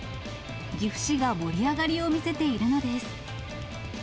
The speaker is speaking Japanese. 岐阜市が盛り上がりを見せているのです。